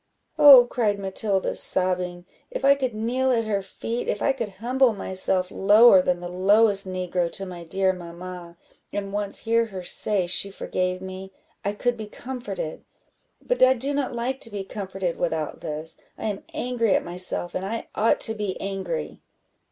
"Oh," cried Matilda, sobbing, "if I could kneel at her feet, if I could humble myself lower than the lowest negro to my dear mamma, and once hear her say she forgave me, I could be comforted; but I do not like to be comforted without this; I am angry at myself, and I ought to be angry."